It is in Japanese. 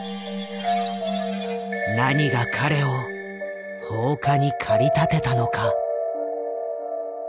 何が彼を放火に駆り立てたのか。